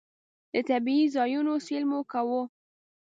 د طبعي ځایونو سیل مو کاوه.